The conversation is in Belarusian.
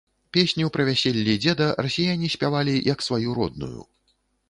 Песню пра вяселлі дзеда расіяне спявалі, як сваю родную.